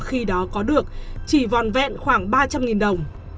khi đó có được chỉ vòn vẹn khoảng ba trăm linh đồng